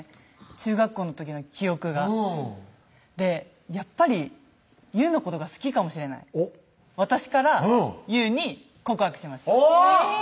中学校の時の記憶がでやっぱり雄のことが好きかもしれない私から雄に告白しましたおぉっ！